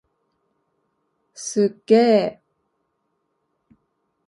すっげー！